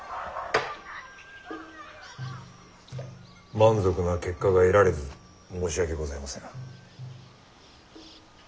満足な結果が得られず申し訳ございません。